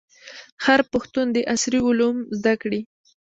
هر پښتون دي عصري علوم زده کړي.